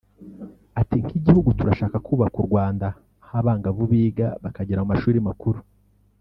Ati “Nk’igihugu turashaka kubaka u Rwanda aho abangavu biga bakagera mu mashuri makuru